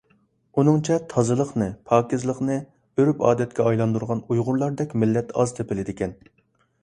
ئۇنىڭچە، تازىلىقنى، پاكىزلىقنى ئۆرپ-ئادەتكە ئايلاندۇرغان ئۇيغۇرلاردەك مىللەت ئاز تېپىلىدىكەن.